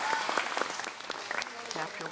CHAPTER I.